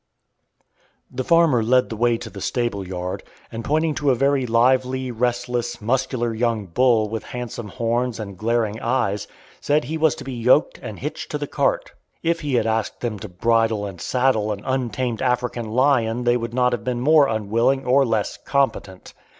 The farmer led the way to the stable yard, and pointing to a very lively, restless, muscular young bull with handsome horns and glaring eyes, said he was to be yoked and hitched to the cart. If he had asked them to bridle and saddle an untamed African lion they would not have been more unwilling or less competent.